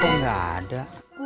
kok gak ada